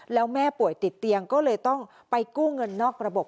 แล้วแม่ป่วยติดเตียงก็เลยต้องไปกู้เงินนอกระบบ